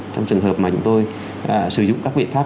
trong trường hợp mà chúng tôi sử dụng các biện pháp